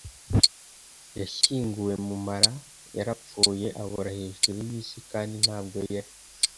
yashyinguwe mu mara. yarapfuye, abora hejuru y'isi, kandi ntabwo yari